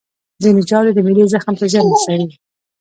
ځینې ژاولې د معدې زخم ته زیان رسوي.